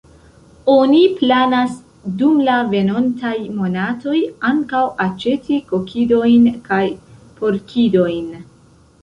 Oni planas dum la venontaj monatoj ankaŭ aĉeti kokidojn kaj porkidojn.